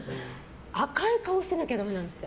赤い顔してなきゃダメなんです。